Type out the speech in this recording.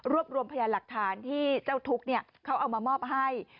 รวมรวมพยานหลักฐานที่เจ้าทุกข์เขาเอามามอบให้